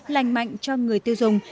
lành mạnh cho người tiêu dùng